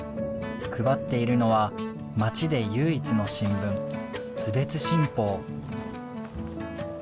配っているのは町で唯一の新聞津別新報。